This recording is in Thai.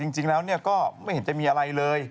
จริงแล้วก็ไม่เห็นจะมีอะไรเลย